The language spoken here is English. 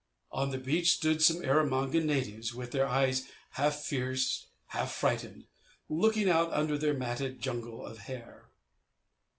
On the beach stood some Erromangan natives, with their eyes (half fierce, half frightened) looking out under their matted jungle of hair.